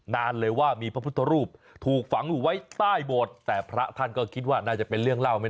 นานเลยว่ามีพระพุทธรูปถูกฝังอยู่ไว้ใต้โบสถ์แต่พระท่านก็คิดว่าน่าจะเป็นเรื่องเล่าไม่